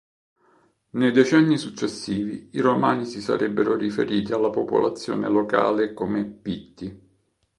Nei decenni successivi i Romani si sarebbero riferiti alla popolazione locale come Pitti.